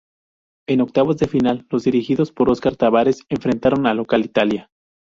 En octavos de final, los dirigidos por Oscar Tabárez enfrentaron al local Italia.